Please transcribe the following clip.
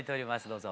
どうぞ。